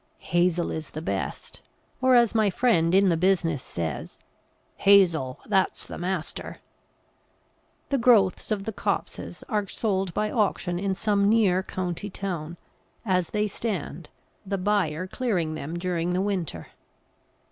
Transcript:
Hazel is the best, or as my friend in the business says, "Hazel, that's the master!" The growths of the copses are sold by auction in some near county town, as they stand, the buyer clearing them during the winter.